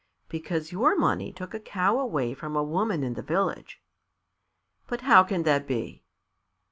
"Because your money took a cow away from a woman in the village." "But how can that be?"